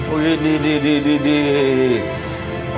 wih dih dih dih dih dih